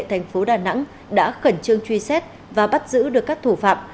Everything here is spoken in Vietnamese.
thành phố đà nẵng đã khẩn trương truy xét và bắt giữ được các thủ phạm